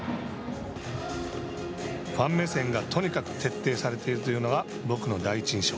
ファン目線がとにかく徹底されているというのが、僕の第一印象。